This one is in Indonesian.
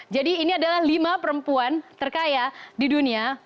jadi ini adalah lima perempuan terkaya di dunia